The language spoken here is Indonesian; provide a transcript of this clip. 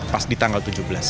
pas di tanggal tujuh belas